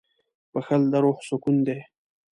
• بښل د روح سکون دی.